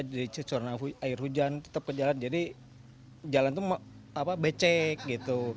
jadi cucur air hujan tetap ke jalan jadi jalan itu becek gitu